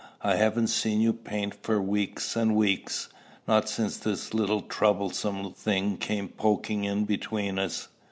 I haven't seen you paint for weeks and weeks, not since this little troublesome thing came poking in between us."